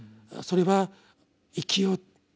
それは「生きよ」